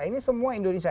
ini semua indonesia